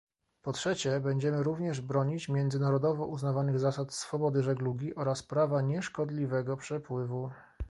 Po trzecie, będziemy również bronić międzynarodowo uznawanych zasad swobody żeglugi oraz prawa nieszkodliwego przepływu